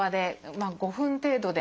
まあ５分程度で。